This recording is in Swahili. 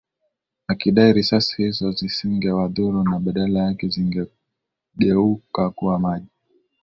akidai risasi hizo zisingewadhuru na badala yake zingegeuka kuwa maji